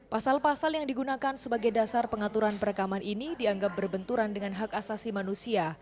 pasal pasal yang digunakan sebagai dasar pengaturan perekaman ini dianggap berbenturan dengan hak asasi manusia